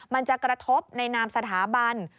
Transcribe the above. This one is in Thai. มันจะกระทบในนามสถาบัน